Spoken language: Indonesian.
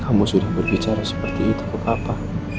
kamu sudah berbicara seperti itu ke papa